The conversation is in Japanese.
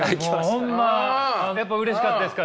ホンマやっぱうれしかったですか？